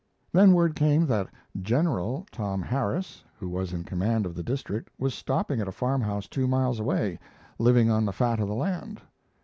Then word came that "General" Tom Harris, who was in command of the district, was stopping at a farmhouse two miles away, living on the fat of the land.